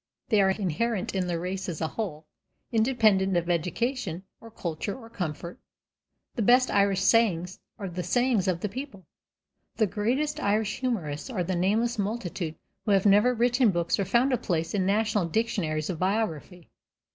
They are inherent in the race as a whole, independent of education or culture or comfort. The best Irish sayings are the sayings of the people; the greatest Irish humorists are the nameless multitude who have never written books or found a place in national dictionaries of biography.